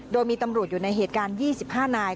โดยมีตำรวจอยู่ในเหตุการณ์๒๕นาย